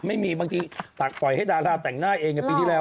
ไม่มีบางทีตักปล่อยให้ดาราแต่งหน้าเองในปีที่แล้ว